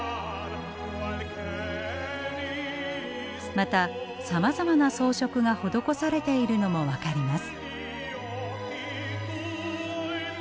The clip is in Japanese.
またさまざまな装飾が施されているのも分かります。